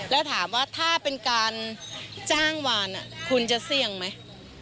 แล้วถามว่าถ้าเป็นการจ้างวานคุณจะเสี่ยงไหม